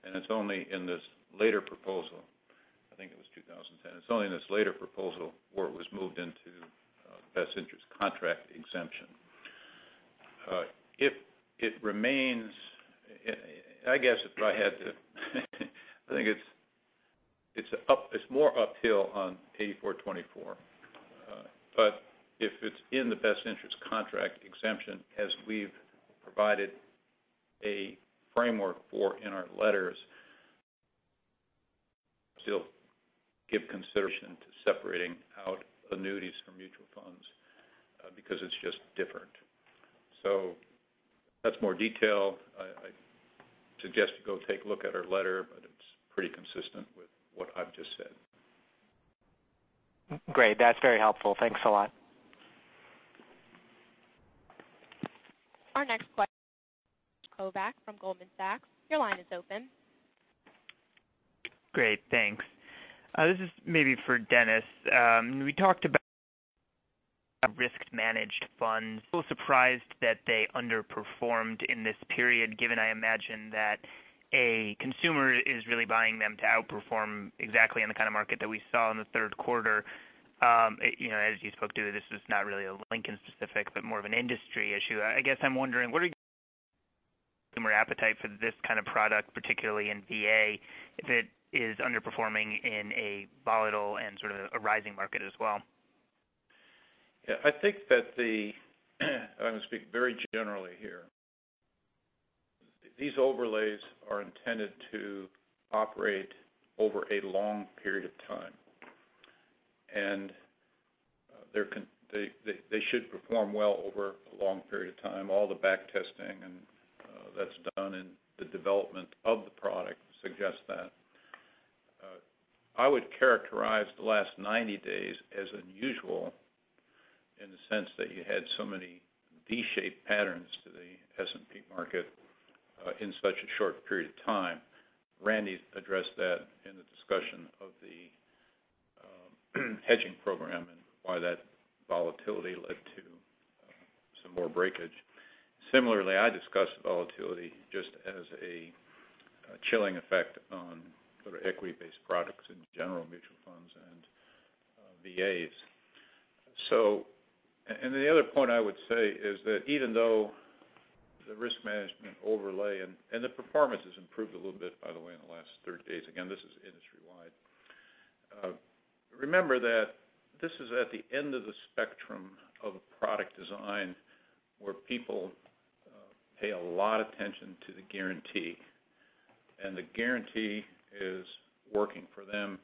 and it's only in this later proposal, I think it was 2010. It's only in this later proposal where it was moved into Best Interest Contract Exemption. I guess if I had to I think it's more uphill on 8424. If it's in the Best Interest Contract Exemption, as we've provided a framework for in our letters, still give consideration to separating out annuities from mutual funds because it's just different. That's more detail. I suggest to go take a look at our letter, it's pretty consistent with what I've just said. Great. That's very helpful. Thanks a lot. Our next question, Kovac from Goldman Sachs. Your line is open. Great, thanks. This is maybe for Dennis. We talked about risk-managed funds. A little surprised that they underperformed in this period, given I imagine that a consumer is really buying them to outperform exactly in the kind of market that we saw in the third quarter. As you spoke to, this is not really a Lincoln-specific, but more of an industry issue. I guess I'm wondering, what are your consumer appetite for this kind of product, particularly in VA, if it is underperforming in a volatile and sort of a rising market as well? Yeah. I'm going to speak very generally here. These overlays are intended to operate over a long period of time, and they should perform well over a long period of time. All the backtesting that's done in the development of the product suggests that. I would characterize the last 90 days as unusual in the sense that you had so many V-shaped patterns to the S&P market in such a short period of time. Randy addressed that in the discussion of the hedging program and why that volatility led to some more breakage. Similarly, I discussed the volatility just as a chilling effect on sort of equity-based products in general, mutual funds and VAs. The other point I would say is that even though the risk-management overlay and the performance has improved a little bit, by the way, in the last 30 days, again, this is industry-wide. Remember that this is at the end of the spectrum of a product design where people pay a lot attention to the guarantee, and the guarantee is working for them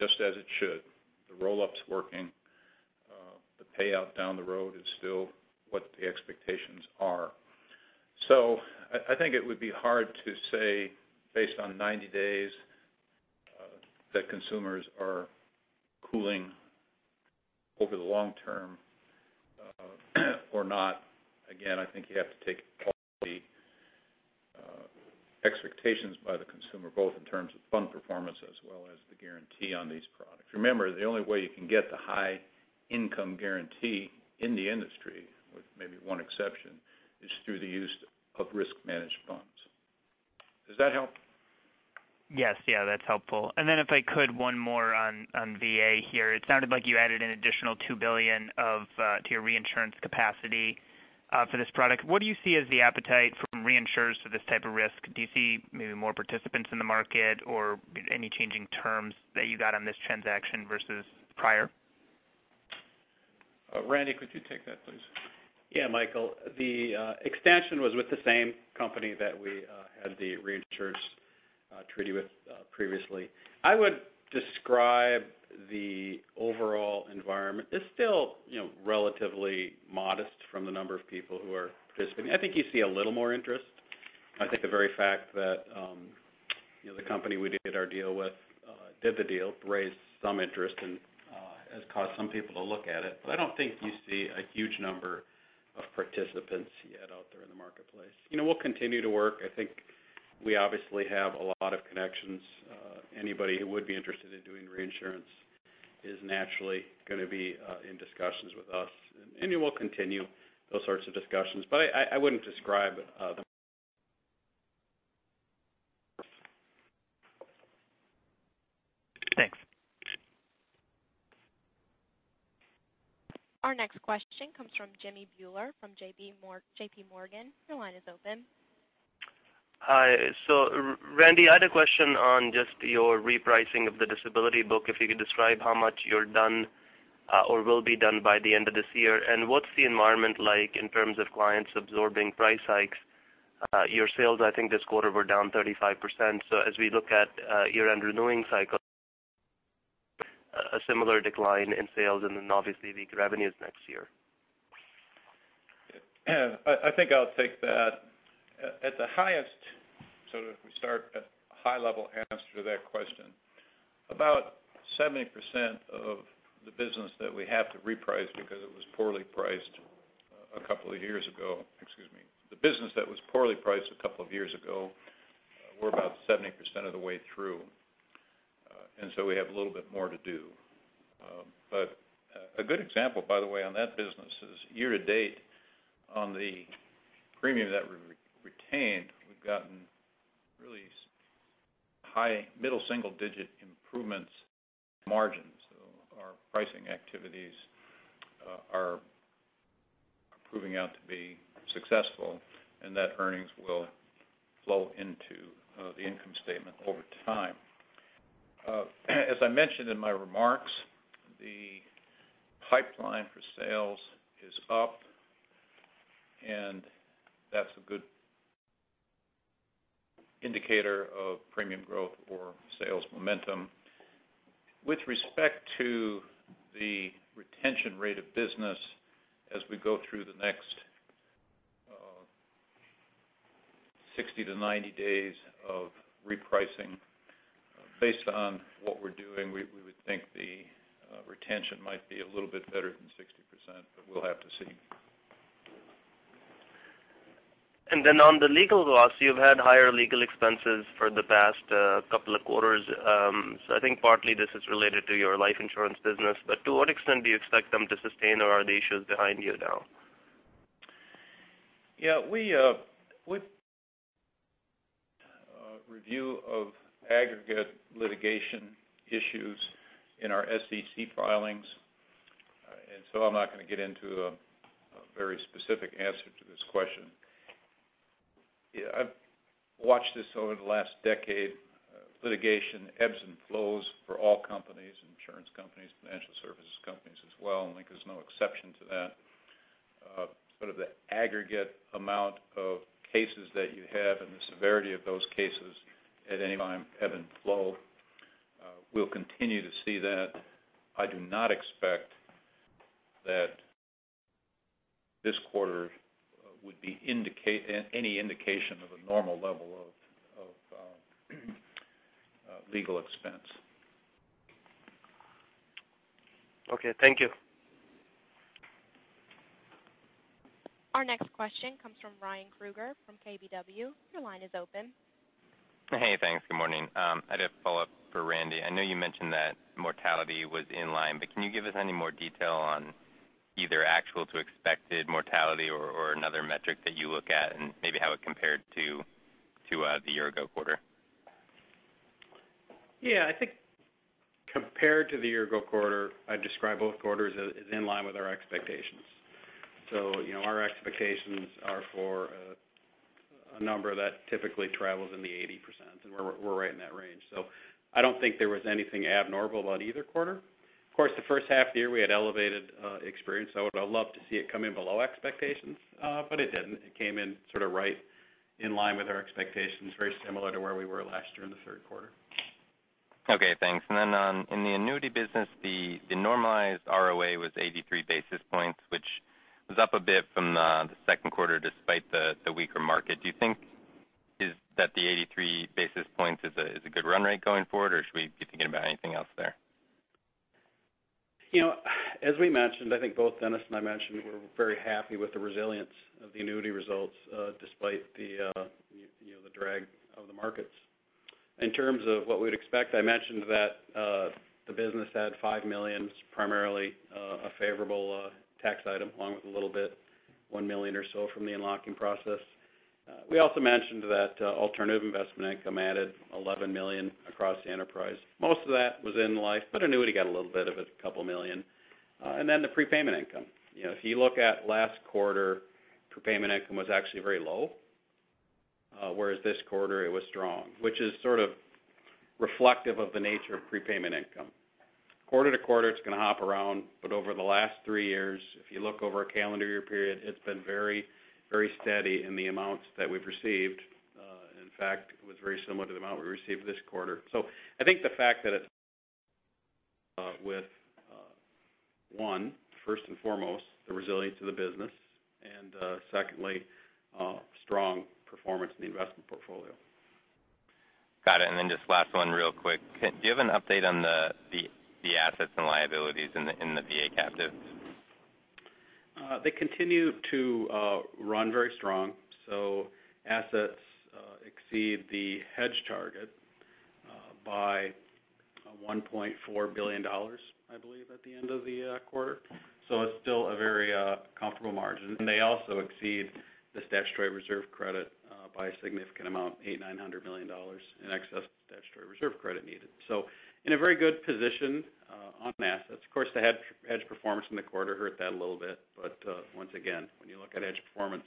just as it should. The roll-up's working. The payout down the road is still what the expectations are. I think it would be hard to say based on 90 days that consumers are cooling over the long term or not, again, I think you have to take quality expectations by the consumer, both in terms of fund performance as well as the guarantee on these products. Remember, the only way you can get the high income guarantee in the industry, with maybe one exception, is through the use of risk-managed funds. Does that help? Yes. Yeah, that's helpful. If I could, one more on VA here. It sounded like you added an additional $2 billion to your reinsurance capacity for this product. What do you see as the appetite from reinsurers for this type of risk? Do you see maybe more participants in the market or any changing terms that you got on this transaction versus prior? Randy, could you take that, please? Yeah, Michael. The extension was with the same company that we had the reinsurance treaty with previously. I would describe the overall environment as still relatively modest from the number of people who are participating. I think you see a little more interest. I think the very fact that the company we did our deal with did the deal raised some interest and has caused some people to look at it. I don't think you see a huge number of participants yet out there in the marketplace. We'll continue to work. I think we obviously have a lot of connections. Anybody who would be interested in doing reinsurance is naturally going to be in discussions with us, and we will continue those sorts of discussions. I wouldn't describe them. Thanks. Our next question comes from Jamminder Bhullar from J.P. Morgan. Your line is open. Hi. Randy, I had a question on just your repricing of the disability book, if you could describe how much you're done or will be done by the end of this year. What's the environment like in terms of clients absorbing price hikes? Your sales, I think, this quarter were down 35%. As we look at your renewing cycle, a similar decline in sales and then obviously weaker revenues next year. I think I'll take that. At the highest, sort of if we start at a high-level answer to that question, about 70% of the business that we have to reprice because it was poorly priced a couple of years ago, excuse me. The business that was poorly priced a couple of years ago, we're about 70% of the way through. We have a little bit more to do. A good example, by the way, on that business is year to date on the premium that we retained, we've gotten really high middle single-digit improvements margins. Our pricing activities are proving out to be successful, and that earnings will flow into the income statement over time. As I mentioned in my remarks, the pipeline for sales is up, and that's a good indicator of premium growth or sales momentum. With respect to the retention rate of business as we go through the next 60 to 90 days of repricing, based on what we're doing, we would think the retention might be a little bit better than 60%, we'll have to see. On the legal loss, you've had higher legal expenses for the past couple of quarters. I think partly this is related to your life insurance business, to what extent do you expect them to sustain, or are the issues behind you now? Yeah. We do a review of aggregate litigation issues in our SEC filings. I'm not going to get into a very specific answer to this question. I've watched this over the last decade. Litigation ebbs and flows for all companies, insurance companies, financial services companies as well. I think there's no exception to that. The aggregate amount of cases that you have and the severity of those cases at any time ebb and flow. We'll continue to see that. I do not expect that this quarter would be any indication of a normal level of legal expense. Okay. Thank you. Our next question comes from Ryan Krueger from KBW. Your line is open. Hey, thanks. Good morning. I did a follow-up for Randy. I know you mentioned that mortality was in line, can you give us any more detail on either actual to expected mortality or another metric that you look at and maybe how it compared to the year-ago quarter? Yeah. I think compared to the year-ago quarter, I'd describe both quarters as in line with our expectations. Our expectations are for a number that typically travels in the 80%, and we're right in that range. I don't think there was anything abnormal about either quarter. Of course, the first half of the year, we had elevated experience. I would've loved to see it come in below expectations, but it didn't. It came in sort of right in line with our expectations, very similar to where we were last year in the third quarter. Okay, thanks. In the annuity business, the normalized ROA was 83 basis points, which was up a bit from the second quarter despite the weaker market. Is that the 83 basis points is a good run rate going forward, or should we be thinking about anything else there? As we mentioned, I think both Dennis and I mentioned we're very happy with the resilience of the annuity results, despite the drag of the markets. In terms of what we'd expect, I mentioned that the business had $5 million, primarily a favorable tax item, along with a little bit, $1 million or so, from the unlocking process. We also mentioned that alternative investment income added $11 million across the enterprise. Most of that was in life, but annuity got a little bit of it, a couple of million. The prepayment income. If you look at last quarter, prepayment income was actually very low, whereas this quarter it was strong, which is reflective of the nature of prepayment income. Quarter to quarter, it's going to hop around, but over the last three years, if you look over a calendar year period, it's been very steady in the amounts that we've received. In fact, it was very similar to the amount we received this quarter. I think the fact that it's with one, first and foremost, the resilience of the business, and secondly, strong performance in the investment portfolio. Got it. Just last one real quick. Do you have an update on the assets and liabilities in the VA captive? They continue to run very strong. Assets exceed the hedge target by $1.4 billion, I believe, at the end of the quarter. It's still a very comfortable margin. They also exceed the statutory reserve credit by a significant amount, $800 million-$900 million in excess of statutory reserve credit needed. In a very good position on assets. Of course, the hedge performance in the quarter hurt that a little bit. Once again, when you look at hedge performance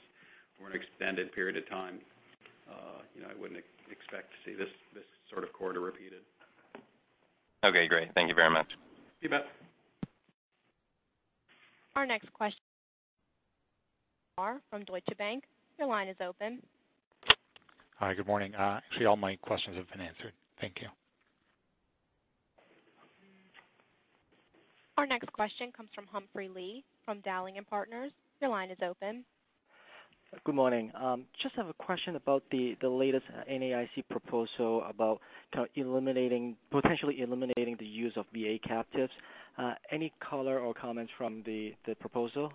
for an extended period of time, I wouldn't expect to see this sort of quarter repeated. Okay, great. Thank you very much. You bet. Our next question from Deutsche Bank. Your line is open. Hi. Good morning. Actually, all my questions have been answered. Thank you. Our next question comes from Humphrey Lee from Dowling & Partners. Your line is open. Good morning. Just have a question about the latest NAIC proposal about potentially eliminating the use of VA captives. Any color or comments from the proposal?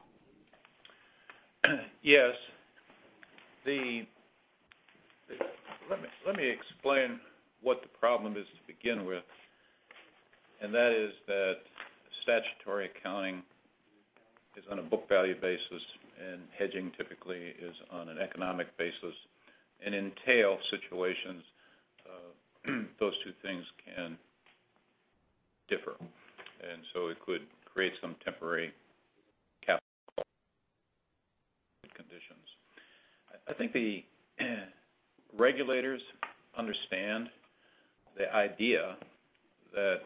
Yes. Let me explain what the problem is to begin with, that is that statutory accounting is on a book value basis and hedging typically is on an economic basis. In tail situations, those two things can differ. It could create some temporary capital conditions. I think the regulators understand the idea that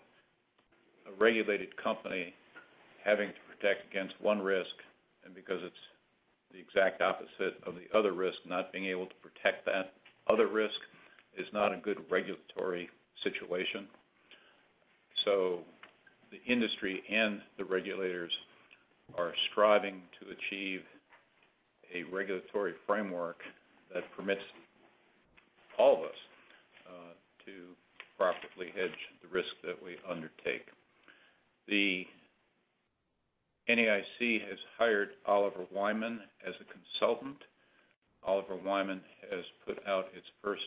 a regulated company having to protect against one risk, and because it's the exact opposite of the other risk, not being able to protect that other risk is not a good regulatory situation. The industry and the regulators are striving to achieve a regulatory framework that permits all of us to profitably hedge the risk that we undertake. The NAIC has hired Oliver Wyman as a consultant. Oliver Wyman has put out its first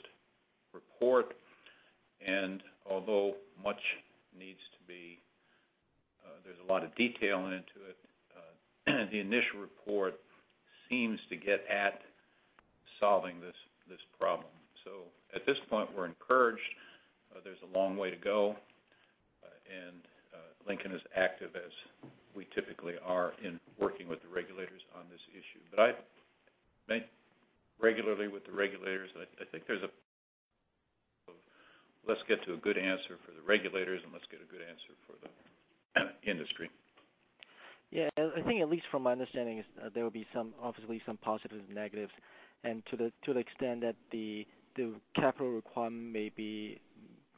report, although there's a lot of detail into it, the initial report seems to get at solving this problem. At this point, we're encouraged. There's a long way to go. Lincoln is active as we typically are in working with the regulators on this issue. I meet regularly with the regulators, and I think there's a, let's get to a good answer for the regulators and let's get a good answer for the industry. Yeah, I think at least from my understanding is there will be obviously some positives and negatives. To the extent that the capital requirement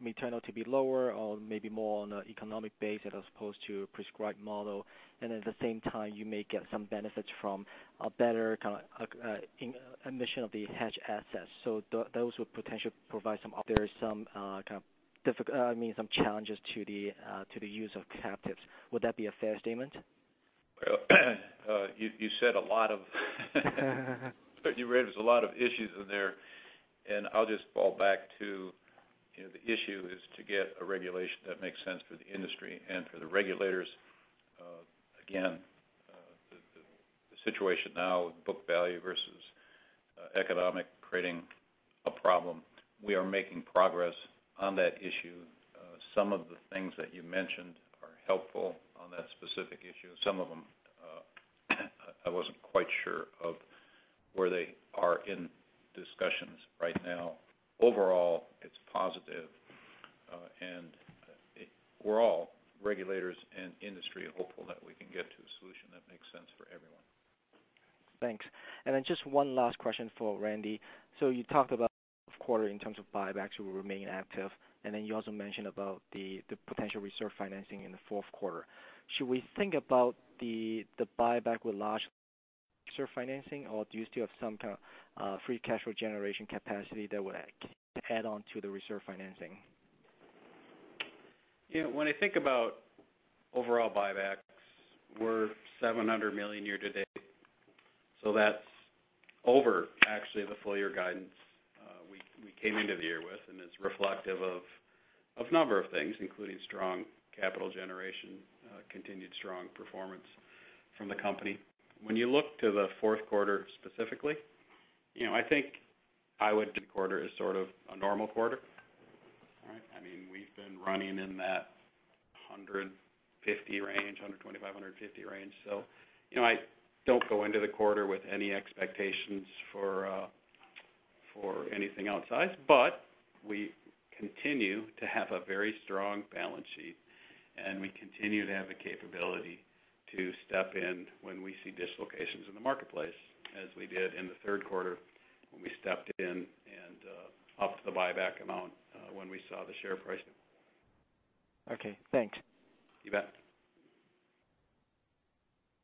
may turn out to be lower or maybe more on an economic base as opposed to a prescribed model. At the same time, you may get some benefits from a better kind of admission of the hedge assets. Those would potentially provide some opportunities, some challenges to the use of captives. Would that be a fair statement? Well, you raised a lot of issues in there. I'll just fall back to the issue is to get a regulation that makes sense for the industry and for the regulators. Again, the situation now with book value versus economic creating a problem. We are making progress on that issue. Some of the things that you mentioned are helpful on that specific issue. Some of them I wasn't quite sure of where they are in discussions right now. Overall, it's positive. We're all, regulators and industry, hopeful that we can get to a solution that makes sense for everyone. Thanks. Just one last question for Randy. You talked about quarter in terms of buybacks will remain active, you also mentioned about the potential reserve financing in the fourth quarter. Should we think about the buyback with large reserve financing, or do you still have some kind of free cash flow generation capacity that would add on to the reserve financing? When I think about overall buybacks, we're $700 million year to date. That's over actually the full-year guidance we came into the year with, it's reflective of a number of things, including strong capital generation, continued strong performance from the company. When you look to the fourth quarter specifically, I think I would do quarter as sort of a normal quarter. I mean, we've been running in that $150 range, $125-$150 range. I don't go into the quarter with any expectations for anything outside. We continue to have a very strong balance sheet, we continue to have the capability to step in when we see dislocations in the marketplace, as we did in the third quarter, when we stepped in and upped the buyback amount when we saw the share pricing. Okay, thanks. You bet.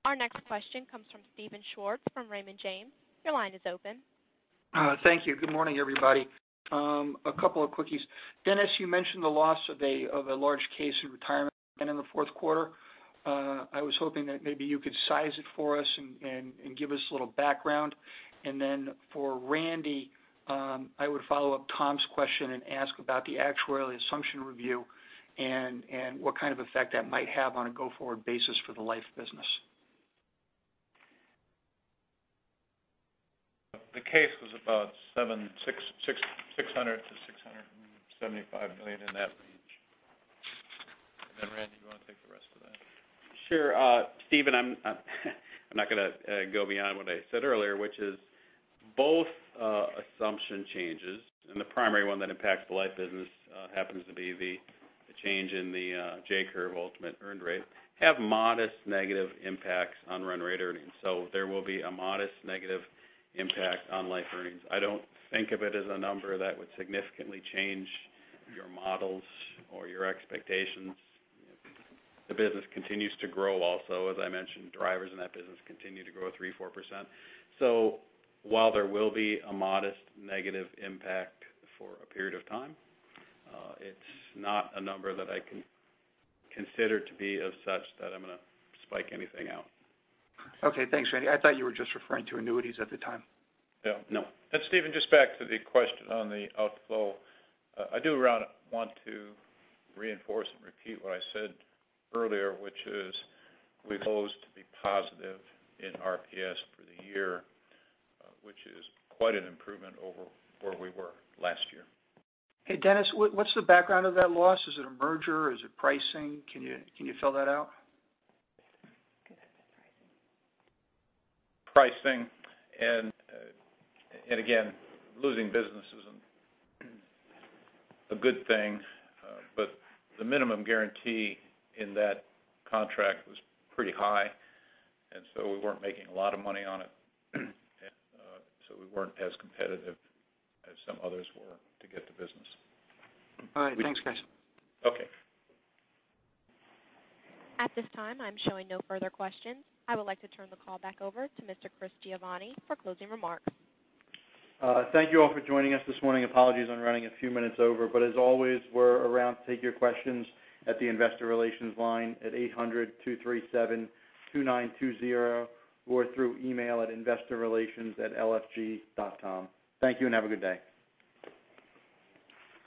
Our next question comes from Steven Schwartz from Raymond James. Your line is open. Thank you. Good morning, everybody. A couple of quickies. Dennis, you mentioned the loss of a large case in retirement in the fourth quarter. I was hoping that maybe you could size it for us and give us a little background. For Randy, I would follow up Tom's question and ask about the actuarial assumption review and what kind of effect that might have on a go-forward basis for the life business. The case was about $600 million-$675 million, in that range. Randy, you want to take the rest of that? Sure. Steven, I'm not going to go beyond what I said earlier, which is both assumption changes, and the primary one that impacts the life business happens to be the change in the J-curve ultimate earned rate, have modest negative impacts on run rate earnings. There will be a modest negative impact on life earnings. I don't think of it as a number that would significantly change your models or your expectations. The business continues to grow also. As I mentioned, drivers in that business continue to grow 3%, 4%. While there will be a modest negative impact for a period of time, it's not a number that I can consider to be as such that I'm going to spike anything out. Okay, thanks, Randy. I thought you were just referring to annuities at the time. No. Steven, just back to the question on the outflow. I do want to reinforce and repeat what I said earlier, which is we propose to be positive in RPS for the year, which is quite an improvement over where we were last year. Hey, Dennis, what's the background of that loss? Is it a merger? Is it pricing? Can you fill that out? Pricing. Again, losing business isn't a good thing, the minimum guarantee in that contract was pretty high, so we weren't making a lot of money on it. So we weren't as competitive as some others were to get the business. All right. Thanks, guys. Okay. At this time, I'm showing no further questions. I would like to turn the call back over to Mr. Christopher Giovanni for closing remarks. Thank you all for joining us this morning. Apologies on running a few minutes over, as always, we're around to take your questions at the investor relations line at 800-237-2920 or through email at investorrelations@lfg.com. Thank you. Have a good day.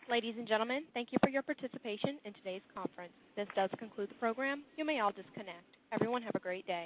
Ladies and gentlemen, thank you for your participation in today's conference. This does conclude the program. You may all disconnect. Everyone, have a great day.